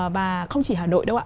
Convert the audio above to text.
và không chỉ hà nội đâu ạ